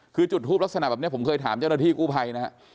คือจุดทูปลักษณะแบบนี้ผมเคยถามเจ้าหน้าที่กู้ภัยนะฮะ